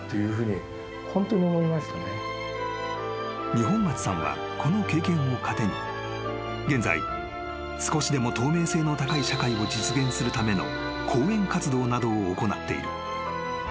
［二本松さんはこの経験を糧に現在少しでも透明性の高い社会を実現するための講演活動などを行っている］